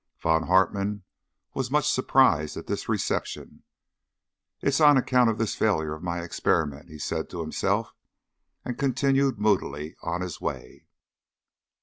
Von Hartmann was much surprised at this reception. "It's on account of this failure of my experiment," he said to himself, and continued moodily on his way.